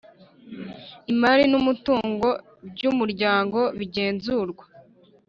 Imari n umutungo by Umuryango bigenzurwa